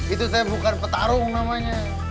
itu bukan petarung namanya